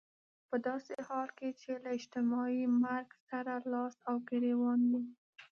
په داسې حال کې چې له اجتماعي مرګ سره لاس او ګرېوان يو.